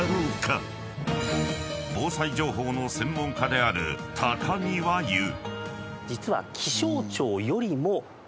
［防災情報の専門家である高荷は言う］